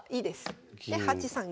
で８三銀。